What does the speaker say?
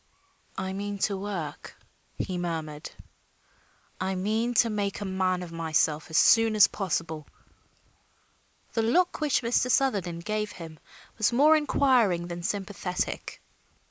"I mean to work," he murmured. "I mean to make a man of myself as soon as possible." The look which Mr. Sutherland gave him was more inquiring than sympathetic.